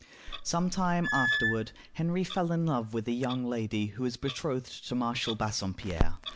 Some time afterward Henry fell in love with a young lady who was betrothed to Marshal Bassompierre.